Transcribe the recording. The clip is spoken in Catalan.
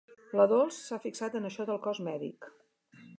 La Dols s'ha fixat en això del cos mèdic.